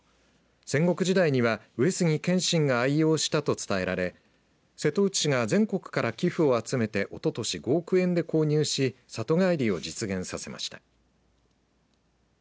戦国時代には上杉謙信が愛用したと伝えられ瀬戸内市が全国から寄付を集めておととし５億円で購入し里帰りを実現させました。